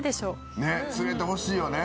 釣れてほしいよね。